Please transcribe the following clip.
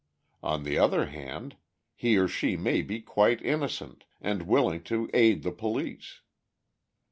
On the other hand, he or she may be quite innocent, and willing to aid the police.